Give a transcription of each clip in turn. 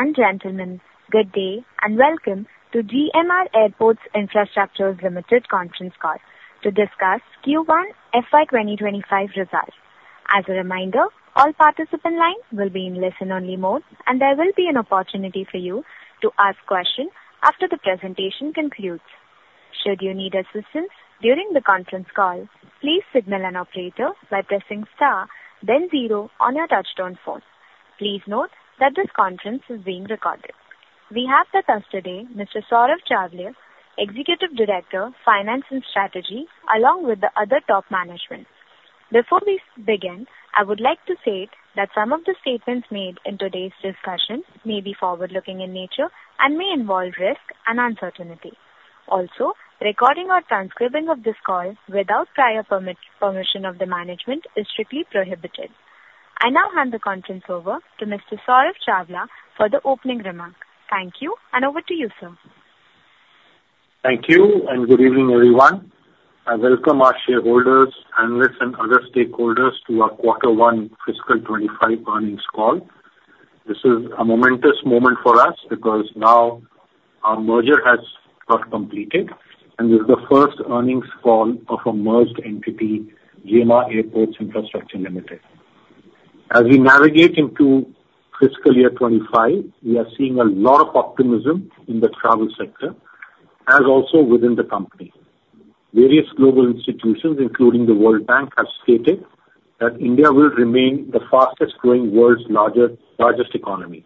Ladies and gentlemen, good day, and welcome to GMR Airports Infrastructure Limited conference call to discuss Q1 FY 2025 results. As a reminder, all participant lines will be in listen-only mode, and there will be an opportunity for you to ask questions after the presentation concludes. Should you need assistance during the conference call, please signal an operator by pressing star then zero on your touchtone phone. Please note that this conference is being recorded. We have with us today Mr. Saurabh Chawla, Executive Director, Finance and Strategy, along with the other top management. Before we begin, I would like to state that some of the statements made in today's discussion may be forward-looking in nature and may involve risk and uncertainty. Also, recording or transcribing of this call without prior permit, permission of the management is strictly prohibited. I now hand the conference over to Mr. Saurabh Chawla for the opening remark. Thank you, and over to you, sir. Thank you, and good evening, everyone. I welcome our shareholders, analysts, and other stakeholders to our Q1 Fiscal 2025 earnings call. This is a momentous moment for us because now our merger has got completed, and this is the first earnings call of our merged entity, GMR Airports Infrastructure Limited. As we navigate into fiscal year 2025, we are seeing a lot of optimism in the travel sector, as also within the company. Various global institutions, including the World Bank, have stated that India will remain the fastest growing world's largest economy.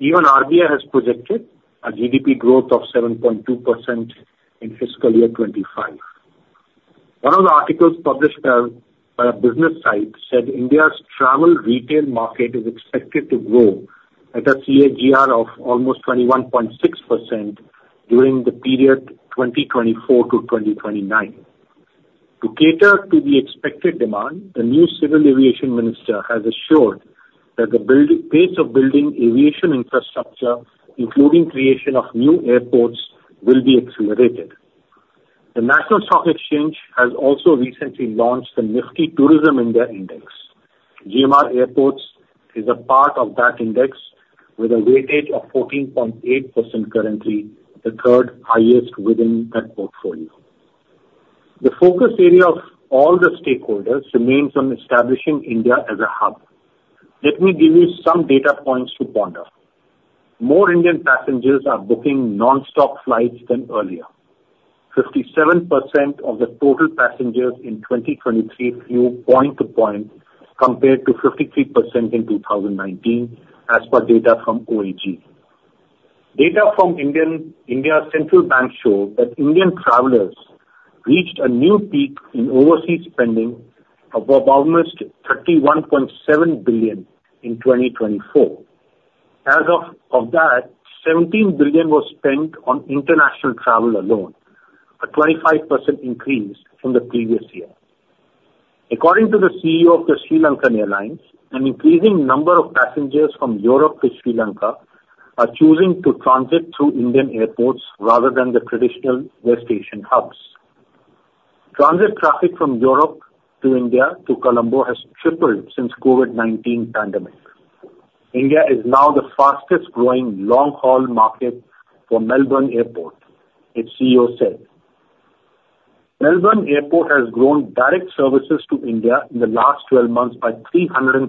Even RBI has projected a GDP growth of 7.2% in fiscal year 2025. One of the articles published by a business site said India's travel retail market is expected to grow at a CAGR of almost 21.6% during the period 2024 to 2029. To cater to the expected demand, the new Civil Aviation Minister has assured that the build-pace of building aviation infrastructure, including creation of new airports, will be accelerated. The National Stock Exchange has also recently launched the Nifty India Tourism Index. GMR Airports is a part of that index with a weightage of 14.8% currently, the third highest within that portfolio. The focus area of all the stakeholders remains on establishing India as a hub. Let me give you some data points to ponder. More Indian passengers are booking nonstop flights than earlier. 57% of the total passengers in 2023 flew point to point, compared to 53% in 2019, as per data from OAG. Data from India's Central Bank show that Indian travelers reached a new peak in overseas spending of about almost $31.7 billion in 2024. $17 billion was spent on international travel alone, a 25% increase from the previous year. According to the CEO of the SriLankan Airlines, an increasing number of passengers from Europe to Sri Lanka are choosing to transit through Indian airports rather than the traditional West Asian hubs. Transit traffic from Europe to India to Colombo has tripled since COVID-19 pandemic. India is now the fastest growing long-haul market for Melbourne Airport, its CEO said. Melbourne Airport has grown direct services to India in the last 12 months by 330%.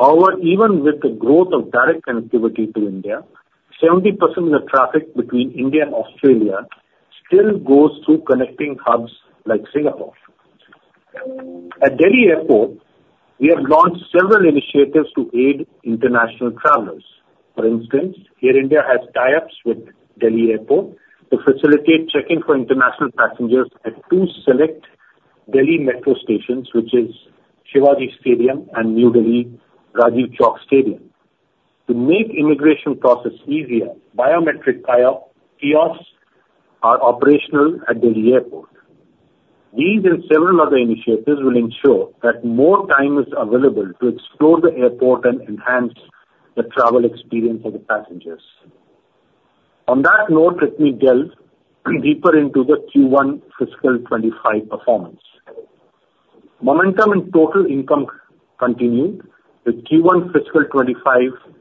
However, even with the growth of direct connectivity to India, 70% of the traffic between India and Australia still goes through connecting hubs like Singapore. At Delhi Airport, we have launched several initiatives to aid international travelers. For instance, Air India has tie-ups with Delhi Airport to facilitate check-in for international passengers at two select Delhi metro stations, which is Shivaji Stadium and New Delhi, Rajiv Chowk. To make immigration process easier, biometric tie-up kiosks are operational at Delhi Airport. These and several other initiatives will ensure that more time is available to explore the airport and enhance the travel experience for the passengers. On that note, let me delve deeper into the Q1 fiscal 2025 performance. Momentum and total income continued with Q1 fiscal 2025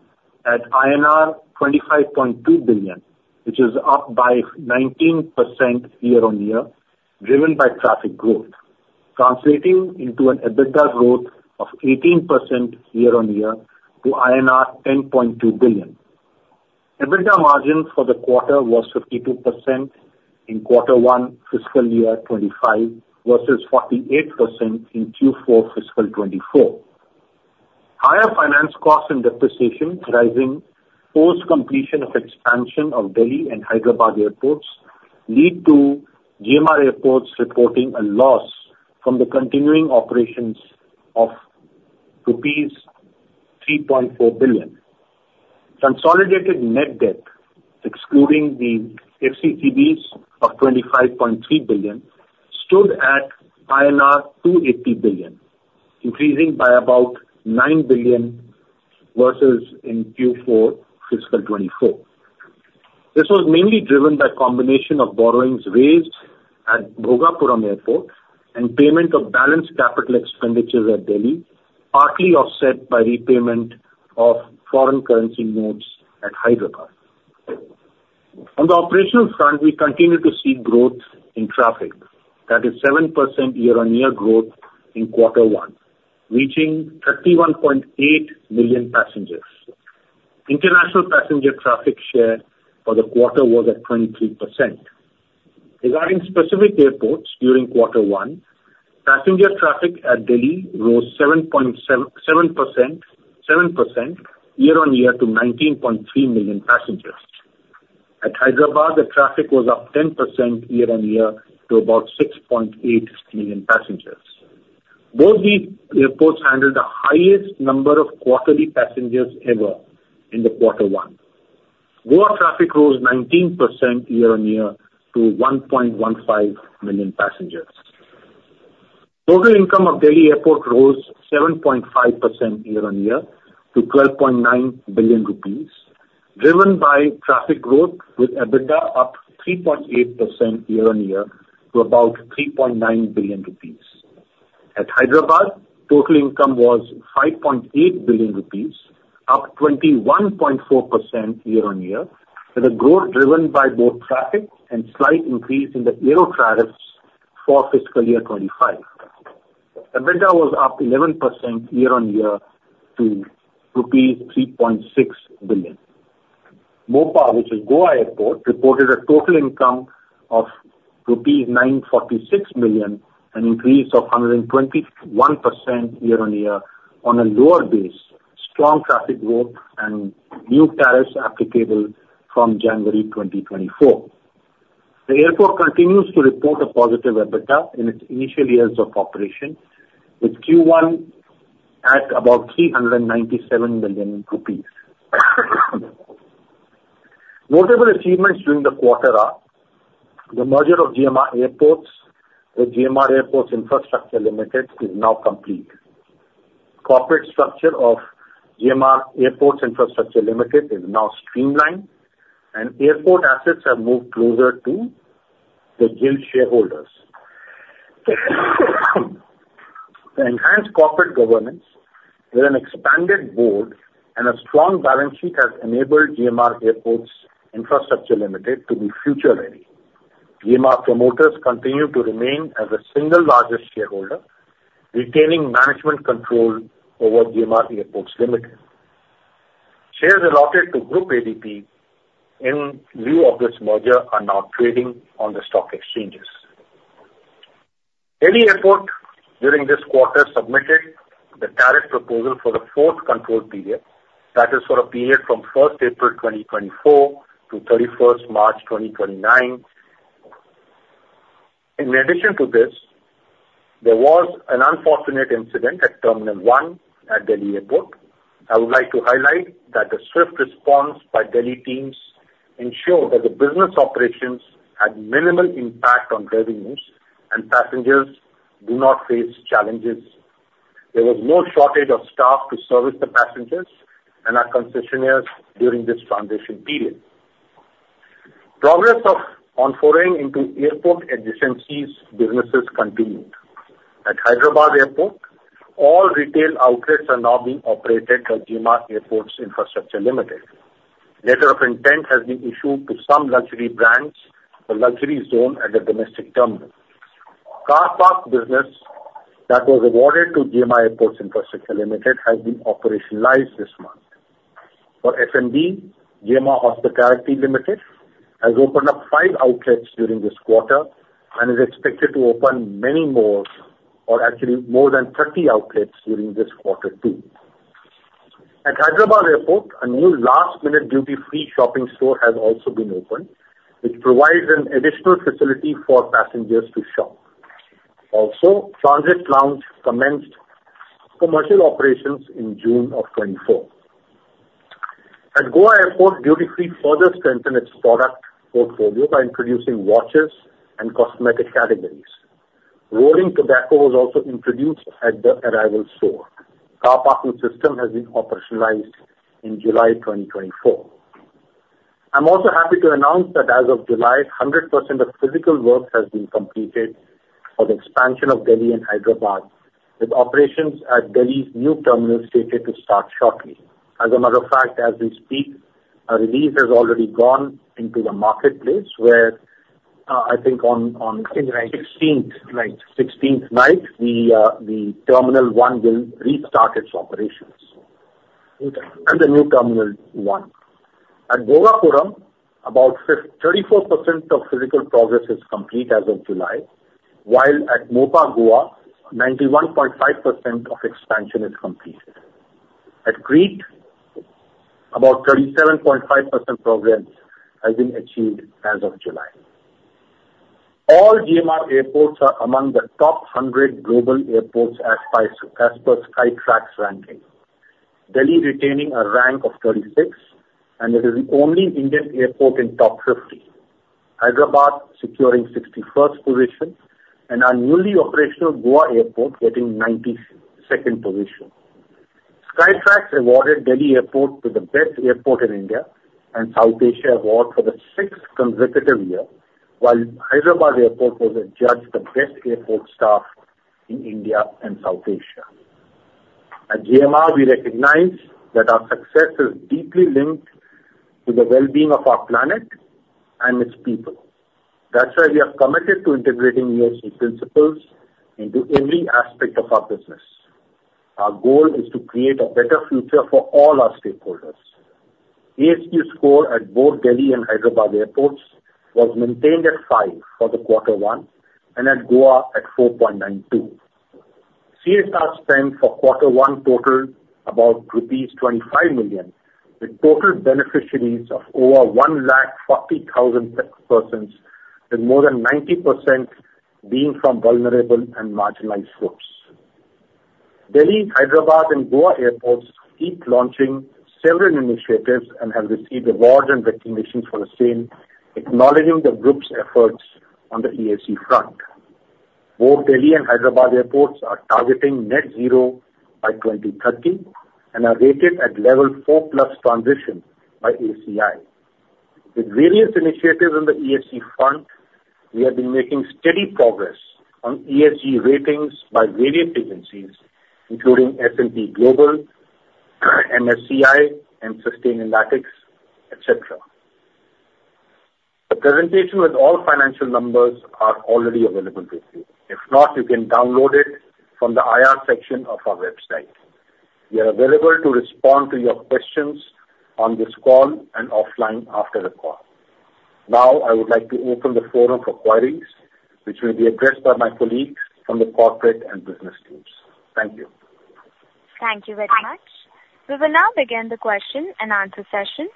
at INR 25.2 billion, which is up by 19% year-on-year, driven by traffic growth, translating into an EBITDA growth of 18% year-on-year to INR 10.2 billion. EBITDA margin for the quarter was 52% in quarter one fiscal year 2025 versus 48% in Q4 fiscal 2024. Higher finance costs and depreciation rising post-completion of expansion of Delhi and Hyderabad airports lead to GMR Airports reporting a loss from the continuing operations of rupees 3.4 billion. Consolidated net debt, excluding the FCCBs of 25.3 billion, stood at INR 280 billion, increasing by about 9 billion versus in Q4 fiscal 2024. This was mainly driven by combination of borrowings raised at Bhogapuram Airport and payment of balanced capital expenditures at Delhi, partly offset by repayment of foreign currency notes at Hyderabad. On the operational front, we continue to see growth in traffic. That is 7% year-on-year growth in quarter one, reaching 31.8 million passengers. International passenger traffic share for the quarter was at 23%. Regarding specific airports, during quarter one, passenger traffic at Delhi rose 7.7, 7%, 7% year-on-year to 19.3 million passengers. At Hyderabad, the traffic was up 10% year-on-year to about 6.8 million passengers. Both the airports handled the highest number of quarterly passengers ever in the quarter one. Goa traffic rose 19% year-on-year to 1.15 million passengers. Total income of Delhi Airport rose 7.5% year-on-year to 12.9 billion rupees, driven by traffic growth, with EBITDA up 3.8% year-on-year to about 3.9 billion rupees. At Hyderabad, total income was 5.8 billion rupees, up 21.4% year-on-year, with a growth driven by both traffic and slight increase in the Aero tariffs for fiscal year 2025. EBITDA was up 11% year-on-year to rupees 3.6 billion. Mopa, which is Goa Airport, reported a total income of rupees 946 million, an increase of 121% year-on-year on a lower base, strong traffic growth, and new tariffs applicable from January 2024. The airport continues to report a positive EBITDA in its initial years of operation, with Q1 at about 397 billion rupees. Notable achievements during the quarter are the merger of GMR Airports with GMR Airports Infrastructure Limited is now complete. Corporate structure of GMR Airports Infrastructure Limited is now streamlined, and airport assets have moved closer to the GIL shareholders. The enhanced corporate governance, with an expanded board and a strong balance sheet, has enabled GMR Airports Infrastructure Limited to be future-ready. GMR promoters continue to remain as the single largest shareholder, retaining management control over GMR Airports Limited. Shares allotted to Groupe ADP in lieu of this merger are now trading on the stock exchanges. Delhi Airport, during this quarter, submitted the tariff proposal for the fourth control period. That is for a period from first April 2024 to thirty-first March 2029. In addition to this, there was an unfortunate incident at Terminal 1 at Delhi Airport. I would like to highlight that the swift response by Delhi teams ensured that the business operations had minimal impact on revenues and passengers do not face challenges. There was no shortage of staff to service the passengers and our concessionaires during this transition period. Progress on foraying into airport adjacencies businesses continued. At Hyderabad Airport, all retail outlets are now being operated by GMR Airports Infrastructure Limited. Letter of intent has been issued to some luxury brands, the luxury zone at the domestic terminal. Car park business that was awarded to GMR Airports Infrastructure Limited has been operationalized this month. For F&B, GMR Hospitality Limited has opened up 5 outlets during this quarter and is expected to open many more or actually more than 30 outlets during this quarter, too. At Hyderabad Airport, a new last-minute duty-free shopping store has also been opened, which provides an additional facility for passengers to shop. Also, transit lounge commenced commercial operations in June 2024. At Goa Airport, duty-free further strengthened its product portfolio by introducing watches and cosmetic categories. Rolling tobacco was also introduced at the arrival store. Car parking system has been operationalized in July 2024. I'm also happy to announce that as of July, 100% of physical work has been completed for the expansion of Delhi and Hyderabad, with operations at Delhi's new terminal slated to start shortly. As a matter of fact, as we speak, a release has already gone into the marketplace where, I think on, on— Sixteenth night. Sixteenth night, the Terminal 1 will restart its operations. New terminal. The new Terminal 1. At Bhogapuram, about 54% of physical progress is complete as of July, while at Mopa, Goa, 91.5% of expansion is complete. At Greece, about 37.5% progress has been achieved as of July. All GMR airports are among the top 100 global airports as per Skytrax ranking. Delhi retaining a rank of 36, and it is the only Indian airport in top 50. Hyderabad securing 61st position, and our newly operational Goa Airport getting 92nd position. Skytrax awarded Delhi Airport the best airport in India and South Asia award for the 6th consecutive year, while Hyderabad Airport was adjudged the best airport staff in India and South Asia. At GMR, we recognize that our success is deeply linked to the well-being of our planet and its people. That's why we are committed to integrating ESG principles into every aspect of our business. Our goal is to create a better future for all our stakeholders. ESG score at both Delhi and Hyderabad airports was maintained at 5 for quarter one and at Goa at 4.92. CSR spend for quarter one totaled about rupees 25 million, with total beneficiaries of over 140,000 persons, and more than 90% being from vulnerable and marginalized groups. Delhi, Hyderabad and Goa airports keep launching several initiatives and have received awards and recognition for the same, acknowledging the group's efforts on the ESG front. Both Delhi and Hyderabad airports are targeting net zero by 2030, and are rated at level 4+ transition by ACI. With various initiatives on the ESG front, we have been making steady progress on ESG ratings by various agencies, including S&P Global, MSCI and Sustainalytics, et cetera. The presentation with all financial numbers are already available to you. If not, you can download it from the IR section of our website. We are available to respond to your questions on this call and offline after the call. Now, I would like to open the forum for queries, which will be addressed by my colleagues from the corporate and business teams. Thank you. Thank you very much. We will now begin the question and answer session.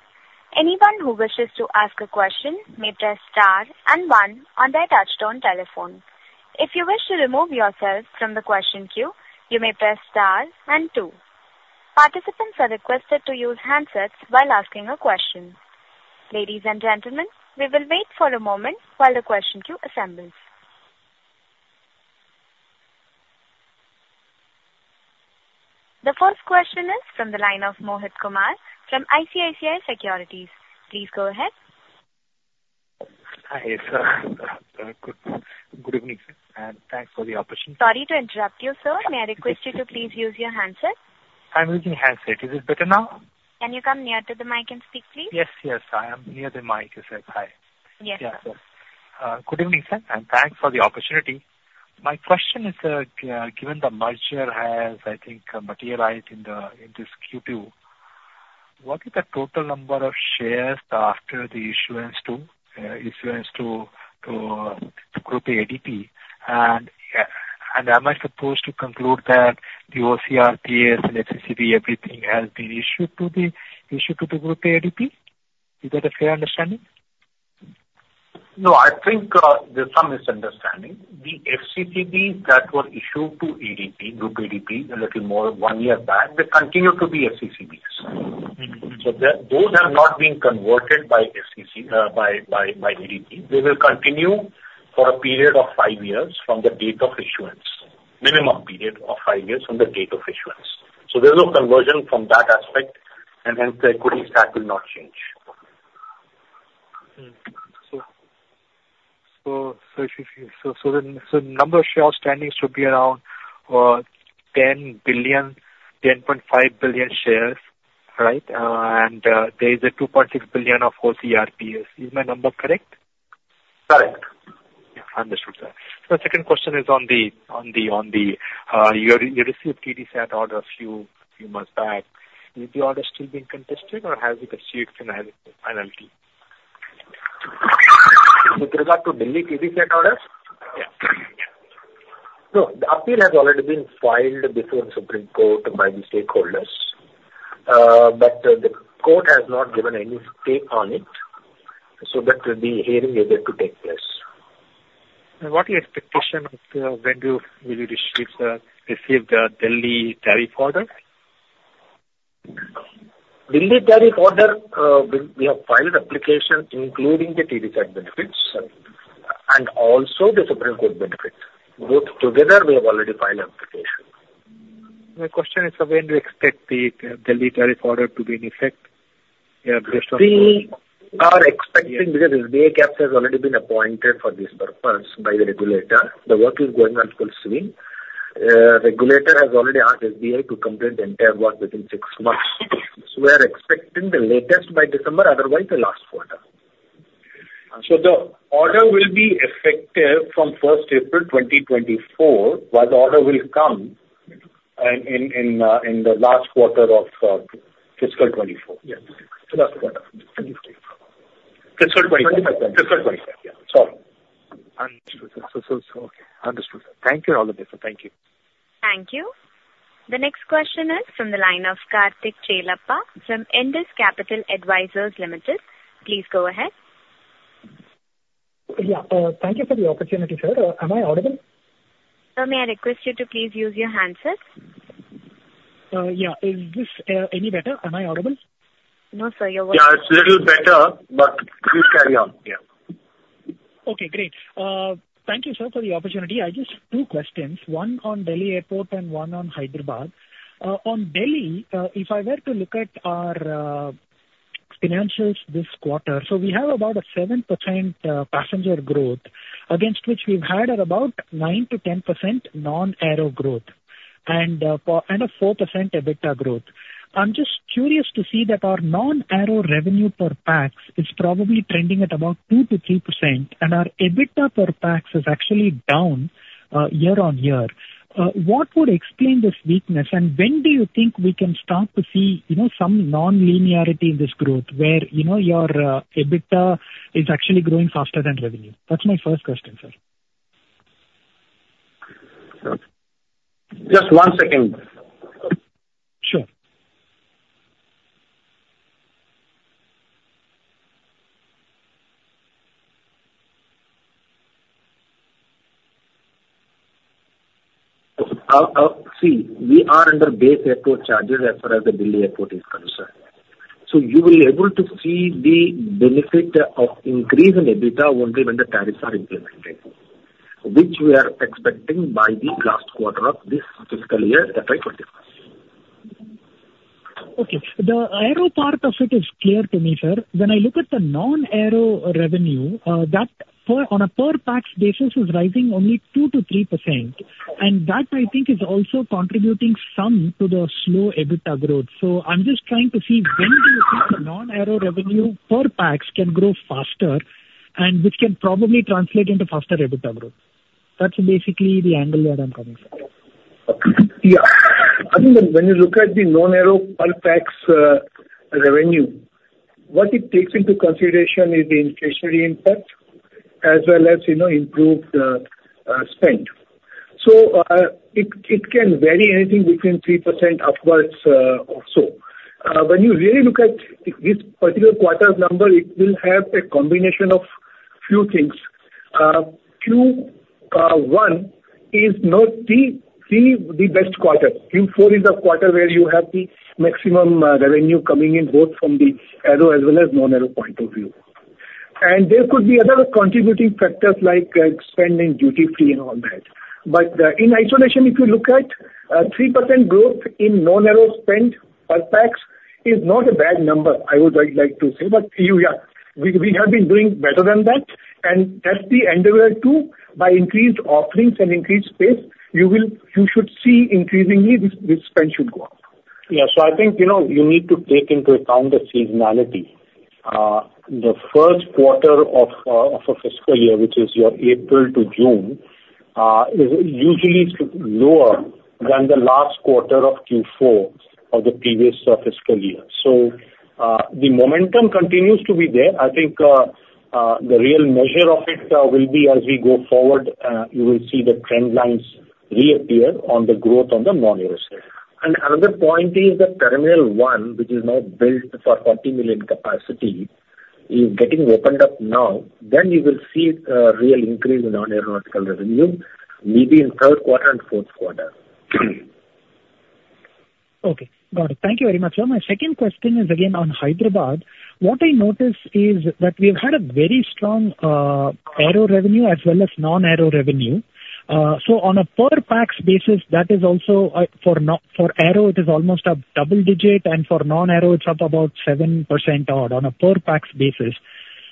Anyone who wishes to ask a question may press star and one on their touchtone telephone. If you wish to remove yourself from the question queue, you may press star and two. Participants are requested to use handsets while asking a question. Ladies and gentlemen, we will wait for a moment while the question queue assembles. The first question is from the line of Mohit Kumar from ICICI Securities. Please go ahead. Hi, sir. Good, good evening, sir, and thanks for the opportunity. Sorry to interrupt you, sir. May I request you to please use your handset? I'm using handset. Is it better now? Can you come near to the mic and speak, please? Yes, yes, I am near the mic, sir. Hi. Yes. Yeah, good evening, sir, and thanks for the opportunity. My question is, given the merger has, I think, materialized in the—in this Q2, what is the total number of shares after the issuance to Groupe ADP? And, am I supposed to conclude that the OCRPS and FCCB, everything has been issued to the Groupe ADP? Is that a fair understanding? No, I think, there's some misunderstanding. The FCCBs that were issued to ADP, Groupe ADP, a little more one year back, they continue to be FCCBs. Mm-hmm. Those have not been converted by FCCB by ADP. They will continue for a period of five years from the date of issuance, minimum period of five years from the date of issuance. So there's no conversion from that aspect, and hence, the equity stack will not change. So the number of shares outstanding should be around 10 billion, 10.5 billion shares, right? And there is a 2.6 billion of OCRPS. Is my number correct? Correct. Yeah. Understood, sir. So second question is on the TDSAT order you received a few months back. Is the order still being contested or have you received final finality? With regard to Delhi TDSAT orders? Yeah. No, the appeal has already been filed before the Supreme Court by the stakeholders, but the court has not given any take on it, so that the hearing is yet to take place. What is your expectation of when you will receive the Delhi tariff order? Delhi tariff order, we have filed application, including the TDSAT benefits, and also the Supreme Court benefits. Both together, we have already filed application. My question is, when do you expect the Delhi tariff order to be in effect? Based on- We are expecting, because the SBI Capital has already been appointed for this purpose by the regulator. The work is going on closely. Regulator has already asked SBA to complete the entire work within six months. So we are expecting the latest by December, otherwise the last quarter. So the order will be effective from first April 2024, while the order will come in the last quarter of fiscal 2024. Yes. The last quarter. Fiscal 2025, sir. Fiscal 2025. Yeah. Sorry. Understood, sir. So, okay. Understood. Thank you all of you. Thank you. Thank you. The next question is from the line of Kartik Chellappa from Indus Capital Advisors Limited. Please go ahead. Yeah, thank you for the opportunity, sir. Am I audible? Sir, may I request you to please use your handset? Yeah. Is this any better? Am I audible? No, sir, you're-— Yeah, it's little better, but please carry on. Yeah. Okay, great. Thank you, sir, for the opportunity. I just two questions, one on Delhi Airport and one on Hyderabad. On Delhi, if I were to look at our financials this quarter, so we have about a 7% passenger growth, against which we've had at about 9%-10% Non-aero growth and a 4% EBITDA growth. I'm just curious to see that our Non-aero revenue per pax is probably trending at about 2%-3%, and our EBITDA per pax is actually down year-on-year. What would explain this weakness, and when do you think we can start to see, you know, some non-linearity in this growth, where, you know, your EBITDA is actually growing faster than revenue? That's my first question, sir. Just one second. Sure. See, we are under Base Airport Charges as far as the Delhi Airport is concerned. So you will able to see the benefit of increase in EBITDA only when the tariffs are implemented, which we are expecting by the last quarter of this fiscal year, FY 2025. Okay. The Aero part of it is clear to me, sir. When I look at the Non-aero revenue, that for, on a per pax basis, is rising only 2%-3%, and that, I think, is also contributing some to the slow EBITDA growth. So I'm just trying to see when do you think the Non-aero revenue per pax can grow faster and which can probably translate into faster EBITDA growth. That's basically the angle where I'm coming from. Yeah. I mean, when you look at the Non-aero per pax revenue, what it takes into consideration is the inflationary impact as well as, you know, improved spend. So it can vary anything between 3% upwards or so. When you really look at this particular quarter's number, it will have a combination of few things. Q1 is not really the best quarter. Q4 is the quarter where you have the maximum revenue coming in, both from the Aero as well as Non-aero point of view. And there could be other contributing factors like spend in duty-free and all that. But in isolation, if you look at 3% growth in Non-aero spend per pax is not a bad number, I would like to say. But yeah, we have been doing better than that, and that's the endeavor to, by increased offerings and increased space, you will, you should see increasingly this spend should go up. Yeah. So I think, you know, you need to take into account the seasonality. The first quarter of a fiscal year, which is your April to June, is usually lower than the last quarter of Q4 of the previous fiscal year. So, the momentum continues to be there. I think, the real measure of it, will be as we go forward, you will see the trend lines reappear on the growth on the Non-aero side. Another point is that Terminal 1, which is now built for 40 million capacity, is getting opened up now. Then you will see a real increase in Non-aeronautical revenue, maybe in third quarter and fourth quarter. Okay, got it. Thank you very much, sir. My second question is again on Hyderabad. What I noticed is that we've had a very strong Aero revenue as well as Non-aero revenue. So on a per pax basis, that is also for Aero, it is almost a double digit, and for Non-aero, it's up about 7% or on a per pax basis.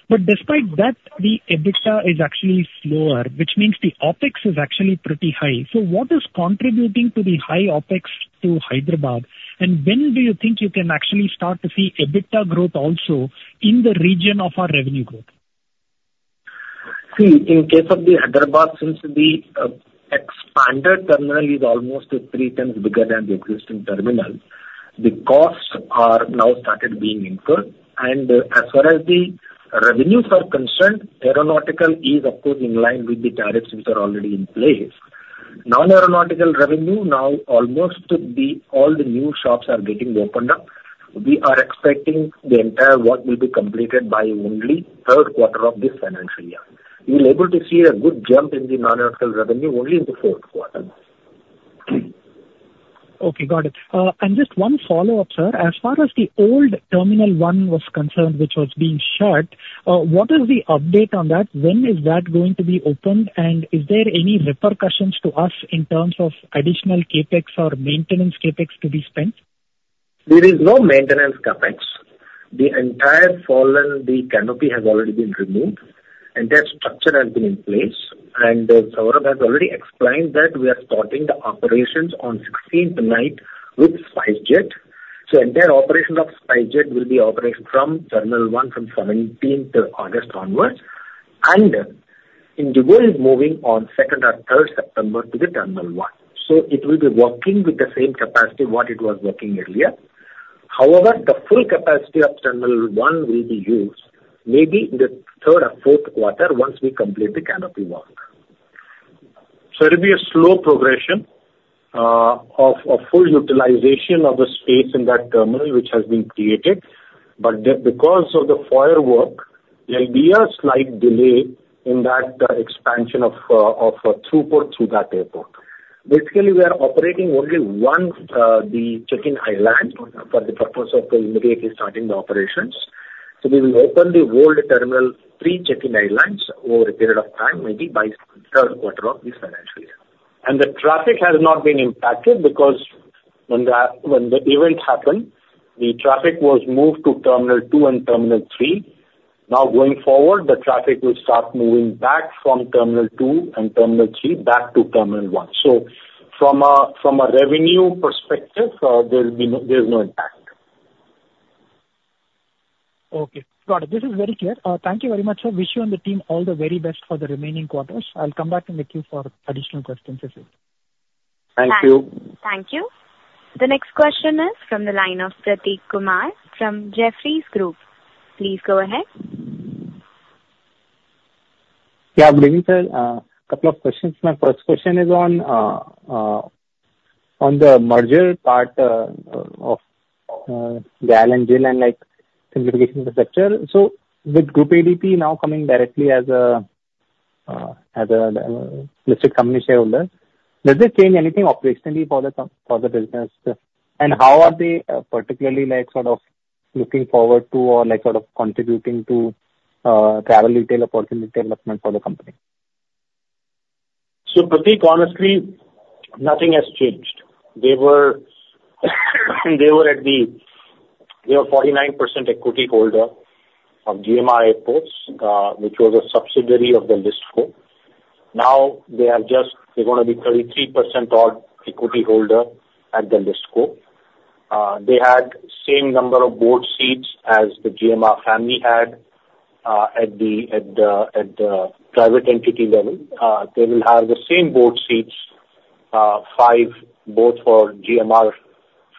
But despite that, the EBITDA is actually lower, which means the OpEx is actually pretty high. So what is contributing to the high OpEx to Hyderabad, and when do you think you can actually start to see EBITDA growth also in the region of our revenue growth? See, in case of the Hyderabad, since the expanded terminal is almost three times bigger than the existing terminal, the costs are now started being incurred. And as far as the revenues are concerned, Aeronautical is, of course, in line with the tariffs which are already in place. Non-aeronautical revenue, now, almost all the new shops are getting opened up. We are expecting the entire work will be completed by only third quarter of this financial year. We will able to see a good jump in the Non-aeronautical revenue only in the fourth quarter. Okay, got it. And just one follow-up, sir. As far as the old Terminal 1 was concerned, which was being shut, what is the update on that? When is that going to be opened, and is there any repercussions to us in terms of additional CapEx or maintenance CapEx to be spent? There is no maintenance CapEx. The entire fallen, the canopy has already been removed, and that structure has been in place. Saurabh has already explained that we are starting the operations on 16th night with SpiceJet. Entire operation of SpiceJet will be operated from Terminal 1 from 17th August onwards, and IndiGo is moving on 2nd or 3rd September to the Terminal 1. It will be working with the same capacity what it was working earlier. However, the full capacity of Terminal 1 will be used maybe in the third or fourth quarter, once we complete the canopy work. So it'll be a slow progression of full utilization of the space in that terminal, which has been created. But then because of the firework, there will be a slight delay in that expansion of throughput through that airport. Basically, we are operating only one, the check-in island for the purpose of immediately starting the operations. So we will open the old Terminal 3 check-in islands over a period of time, maybe by third quarter of this financial year. And the traffic has not been impacted because when the event happened, the traffic was moved to Terminal 2 and Terminal 3. Now, going forward, the traffic will start moving back from Terminal 2 and Terminal 3 back to Terminal 1. So from a revenue perspective, there will be no, there is no impact. Okay, got it. This is very clear. Thank you very much, sir. Wish you and the team all the very best for the remaining quarters. I'll come back in the queue for additional questions if it. Thank you. Thank you. The next question is from the line of Prateek Kumar from Jefferies Group. Please go ahead. Yeah, good evening, sir. A couple of questions. My first question is on the merger part of GAL and GIL and, like, simplification of the structure. So with Groupe ADP now coming directly as a listed company shareholder, does this change anything operationally for the business? And how are they particularly like, sort of looking forward to or like sort of contributing to travel retail opportunity development for the company? So Pratik, honestly, nothing has changed. They were 49% equity holder of GMR Airports, which was a subsidiary of the listed co. Now they are just, they're gonna be 33% odd equity holder at the listed co. They had same number of board seats as the GMR family had, at the private entity level. They will have the same board seats, 5 both for GMR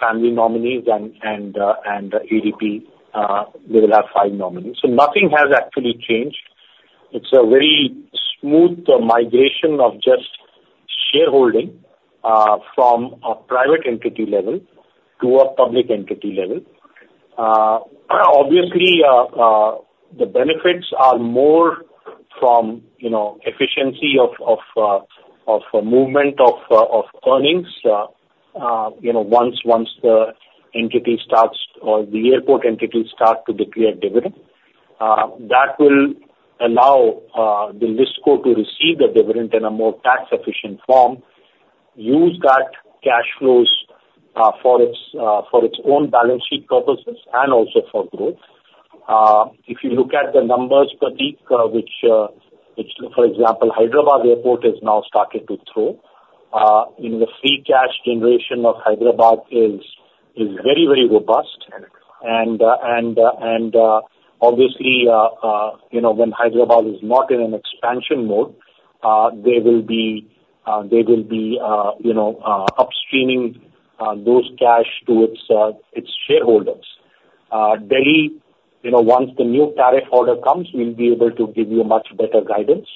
family nominees and ADP. They will have 5 nominees. So nothing has actually changed. It's a very smooth migration of just shareholding, from a private entity level to a public entity level. Obviously, the benefits are more from, you know, efficiency of a movement of earnings. You know, once the entity starts or the airport entity start to declare dividend, that will allow the listed co to receive the dividend in a more tax-efficient form, use that cash flows for its own balance sheet purposes and also for growth. If you look at the numbers, Pratik, which, for example, Hyderabad Airport is now starting to throw, you know, the free cash generation of Hyderabad is very, very robust. And, obviously, you know, when Hyderabad is not in an expansion mode, they will be upstreaming those cash to its shareholders. Delhi, you know, once the new tariff order comes, we'll be able to give you a much better guidance.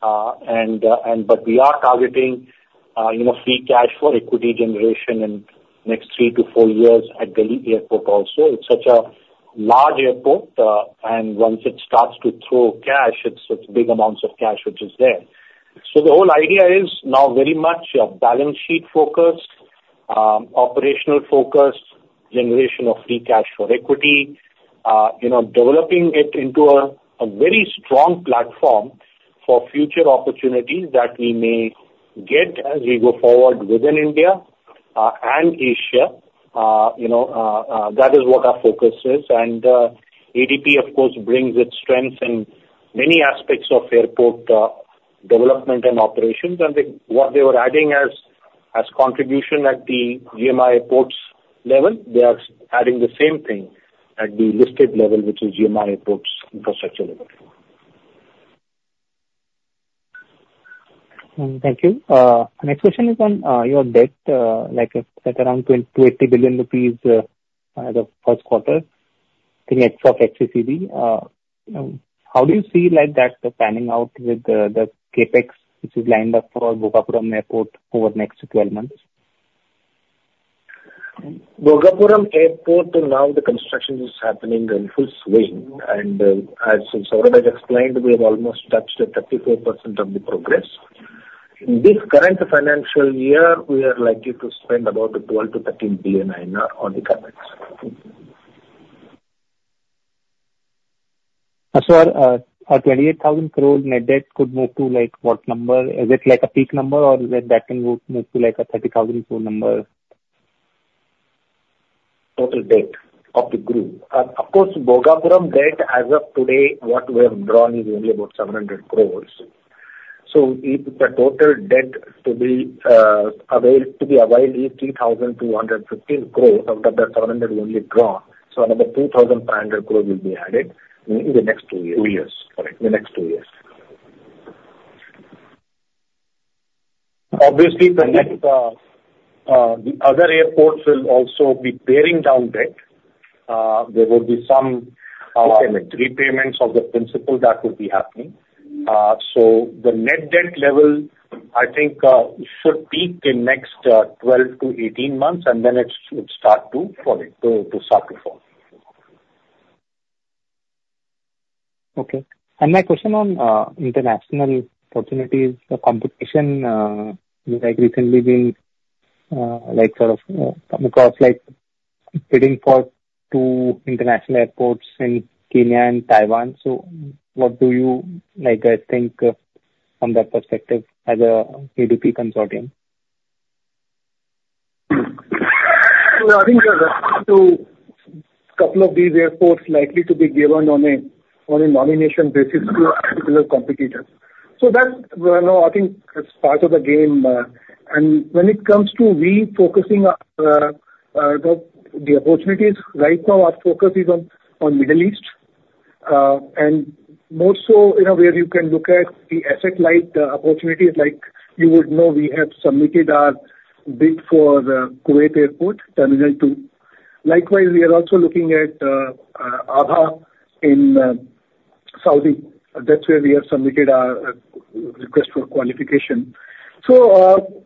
But we are targeting, you know, free cash flow, equity generation in next three to four years at Delhi Airport also. It's such a large airport, and once it starts to throw cash, it's big amounts of cash which is there. So the whole idea is now very much a balance sheet focus, operational focus, generation of free cash flow equity, you know, developing it into a very strong platform for future opportunities that we may get as we go forward within India, and Asia. You know, that is what our focus is. And ADP, of course, brings its strengths in many aspects of airport development and operations. They, what they were adding as contribution at the GMR Airports level, they are adding the same thing at the listed level, which is GMR Airports Infrastructure level. Thank you. My next question is on your debt, like, at around 20 billion rupees, the first quarter in net of FCCB. How do you see that panning out with the CapEx, which is lined up for Bhogapuram Airport over the next 12 months? Bhogapuram Airport, now the construction is happening in full swing, and, as Saurabh has explained, we have almost touched 34% of the progress. In this current financial year, we are likely to spend about 12 billion-13 billion on the CapEx. So, our 28,000 crore net debt could move to, like, what number? Is it like a peak number, or is it that can move to, like, a 30,000 crore number? Total debt of the group. Of course, Bhogapuram debt, as of today, what we have drawn is only about 700 crore. So if the total debt to be available is 3,215 crore, out of that, 700 only drawn, so another 2,500 crore will be added in the next two years. Two years. Correct. In the next two years. Obviously, the next, the other airports will also be paring down debt. There will be some, Okay. Repayments of the principal that would be happening. So the net debt level, I think, should peak in next 12-18 months, and then it should start to- Fall in. To start to fall. Okay. And my question on international opportunities, the competition like recently been like sort of come across like bidding for 2 international airports in Kenya and Taiwan. So what do you like, I think, from that perspective, as a ADP consortium? So I think we are responding to couple of these airports likely to be given on a nomination basis to particular competitors. So that's, well, no, I think that's part of the game. And when it comes to we focusing our opportunities, right now our focus is on Middle East. And more so, you know, where you can look at the asset-light opportunities, like you would know, we have submitted our bid for the Kuwait Airport Terminal 2. Likewise, we are also looking at Abha in Saudi. That's where we have submitted our request for qualification. So,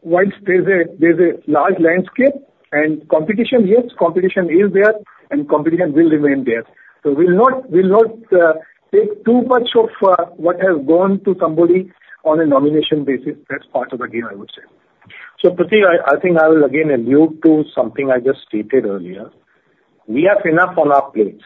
while there's a large landscape and competition, yes, competition is there and competition will remain there. So we'll not take too much of what has gone to somebody on a nomination basis. That's part of the game, I would say. So Pratik, I, I think I will again allude to something I just stated earlier. We have enough on our plates.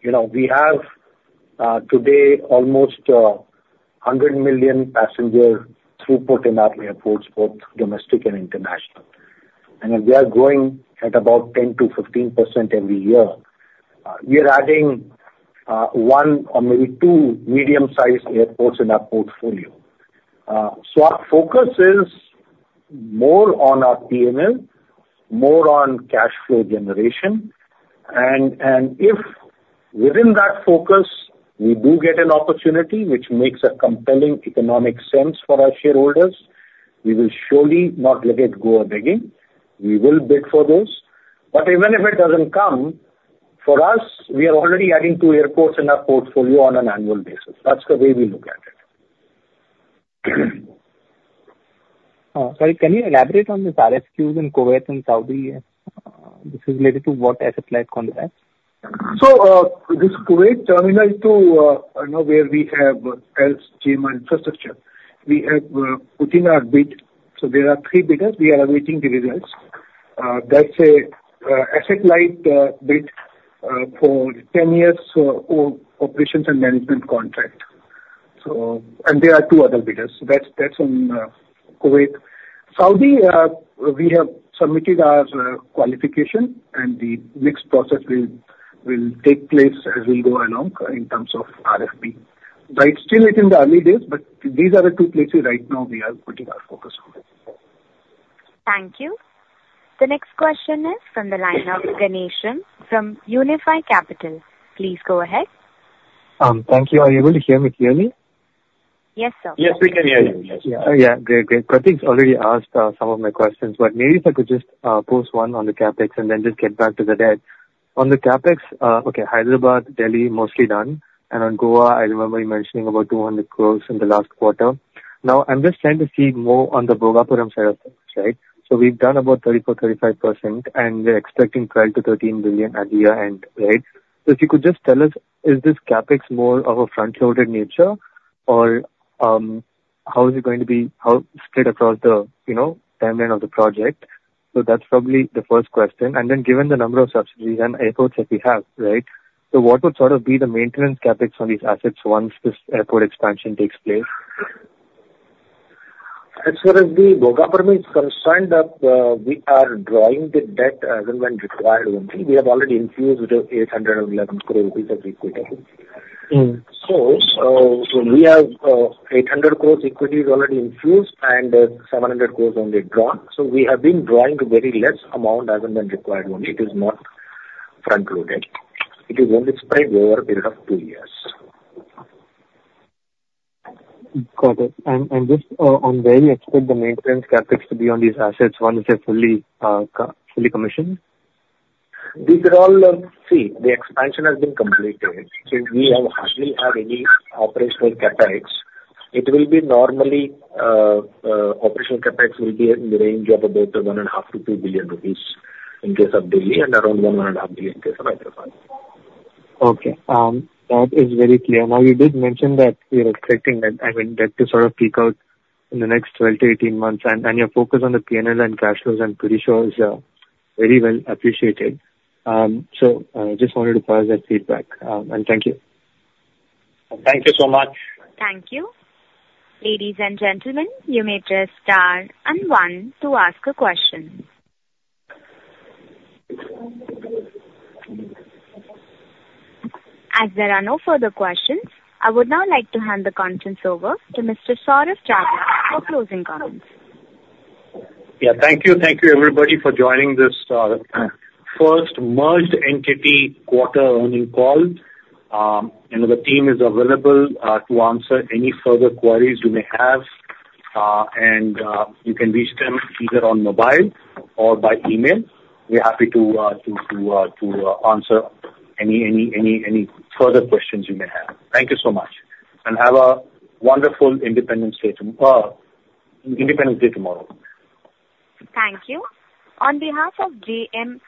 You know, we have today almost 100 million passengers throughput in our airports, both domestic and international. And we are growing at about 10%-15% every year. We are adding one or maybe two medium-sized airports in our portfolio. So our focus is more on our PNL, more on cash flow generation, and, and if within that focus we do get an opportunity which makes a compelling economic sense for our shareholders, we will surely not let it go begging. We will bid for those. But even if it doesn't come, for us, we are already adding two airports in our portfolio on an annual basis. That's the way we look at it. Sorry, can you elaborate on the RFQs in Kuwait and Saudi? This is related to what asset-light contracts? So, this Kuwait Terminal 2, you know, where we have as GMR infrastructure, we have put in our bid. So there are three bidders. We are awaiting the results. That's a asset-light bid for 10 years operations and management contract. And there are two other bidders. So that's, that's on Kuwait. Saudi, we have submitted our qualification, and the next process will take place as we go along in terms of RFP. But it's still in the early days, but these are the two places right now we are putting our focus on it. Thank you. The next question is from the line of Ganeshram from Unifi Capital. Please go ahead. Thank you. Are you able to hear me clearly? Yes, sir. Yes, we can hear you. Yes. Yeah. Oh, yeah. Great, great. Prateek's already asked some of my questions, but maybe if I could just pose one on the CapEx and then just get back to the debt. On the CapEx, okay, Hyderabad, Delhi, mostly done, and on Goa, I remember you mentioning about 200 crore in the last quarter. Now, I'm just trying to see more on the Bhogapuram side of things, right? So we've done about 34%-35%, and we're expecting 12 billion-13 billion at the year-end, right? So if you could just tell us, is this CapEx more of a front-loaded nature or how is it going to be, how straight across the, you know, timeline of the project? So that's probably the first question. And then given the number of subsidiaries and airports that we have, right, so what would sort of be the maintenance CapEx on these assets once this airport expansion takes place? As far as the Bhogapuram is concerned, we are drawing the debt as and when required only. We have already infused with 811 crore rupees as equity. Mm. We have 800 crore equity already infused and 700 crore only drawn. We have been drawing very less amount as and when required only. It is not front-loaded. It is only spread over a period of two years. Got it. And just on where you expect the maintenance CapEx to be on these assets once they're fully commissioned? These are all. See, the expansion has been completed. Since we have hardly have any operational CapEx, it will be normally, operational CapEx will be in the range of about 1.5 billion-2 billion rupees in case of Delhi, and around 1.5 billion in case of Hyderabad. Okay. That is very clear. Now, you did mention that you're expecting an, I mean, that to sort of peak out in the next 12-18 months, and your focus on the PNL and cash flows, I'm pretty sure is very well appreciated. So, just wanted to pass that feedback, and thank you. Thank you so much. Thank you. Ladies and gentlemen, you may press star and one to ask a question. As there are no further questions, I would now like to hand the conference over to Mr. Saurabh Chawla for closing comments. Yeah. Thank you. Thank you, everybody, for joining this first merged entity quarter earning call. The team is available to answer any further queries you may have, and you can reach them either on mobile or by email. We're happy to answer any further questions you may have. Thank you so much, and have a wonderful Independence Day tomorrow. Thank you. On behalf of GMR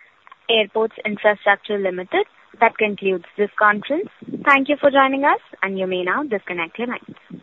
Airports Infrastructure Limited, that concludes this conference. Thank you for joining us, and you may now disconnect your lines.